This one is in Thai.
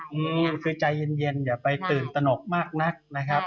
คือใจเย็นอย่าไปตื่นตนกมากนักนะครับ